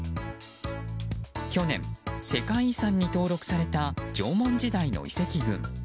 去年、世界遺産に登録された縄文時代の遺跡群。